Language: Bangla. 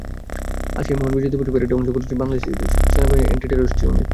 আজকের মহান বিজয় দিবস প্যারেডে অংশগ্রহণ করছেন বাংলাদেশ সেনাবাহিনীর অ্যান্টি টেরোরিস্ট ইউনিট।